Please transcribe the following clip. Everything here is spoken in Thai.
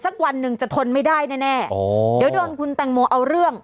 วันหนึ่งจะทนไม่ได้แน่เดี๋ยวโดนคุณแตงโมเอาเรื่อง